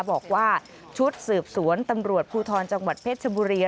บอกว่าชุดสืบสวนตำรวจภูทรจังหวัดเพชรชบุรี